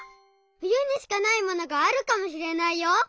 ふゆにしかないものがあるかもしれないよ。